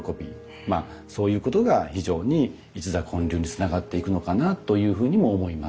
まあそういうことが非常に「一座建立」につながっていくのかなというふうにも思います。